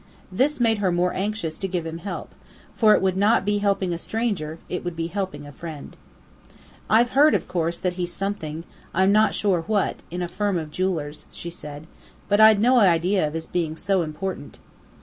This made her more anxious to give him help for it would not be helping a stranger: it would be helping a friend. "I've heard, of course, that he's something I'm not sure what in a firm of jewellers," she said. "But I'd no idea of his being so important."